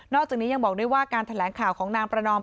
จากนี้ยังบอกด้วยว่าการแถลงข่าวของนางประนอม